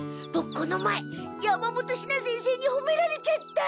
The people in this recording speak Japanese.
この前山本シナ先生にほめられちゃった！